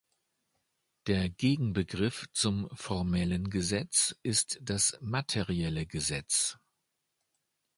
Der Gegenbegriff zum formellen Gesetz ist das materielle Gesetz.